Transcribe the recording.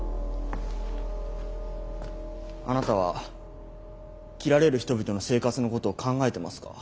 あなたは切られる人々の生活のことを考えてますか？